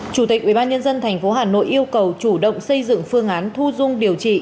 chủ tịch ubnd tp hà nội yêu cầu chủ động xây dựng phương án thu dung điều trị